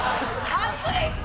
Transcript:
熱いって！